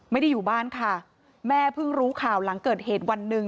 ไม่ได้อยู่บ้านค่ะแม่เพิ่งรู้ข่าวหลังเกิดเหตุวันหนึ่ง